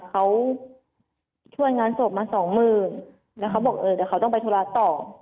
เขาช่วยงานศพมาสองหมื่นแล้วเขาบอกเออเดี๋ยวเขาต้องไปธุระต่อ